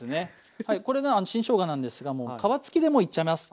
これが新しょうがなんですが皮付きでもういっちゃいます。